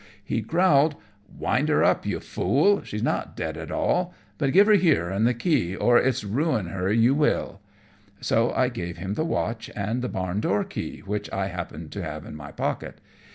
he growled, "Wind her up, you fool; she's not dead at all; but give her here, and the key, or it's ruin her you will." So I gave him the watch and the barn door key, which I happened to have in my pocket.